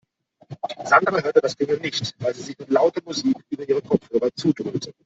Sandra hörte das Klingeln nicht, weil sie sich mit lauter Musik über ihre Kopfhörer zudröhnte.